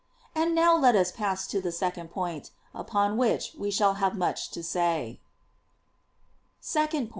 And now let us pass to the second point, upon which we shall have much to say. Point Second.